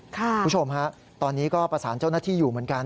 คุณผู้ชมฮะตอนนี้ก็ประสานเจ้าหน้าที่อยู่เหมือนกัน